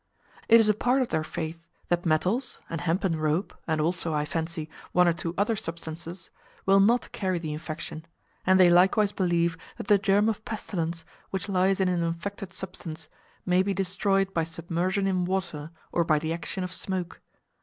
It is a part of their faith that metals, and hempen rope, and also, I fancy, one or two other substances, will not carry the infection; and they likewise believe that the germ of pestilence, which lies in an infected substance, may be destroyed by submersion in water, or by the action of smoke.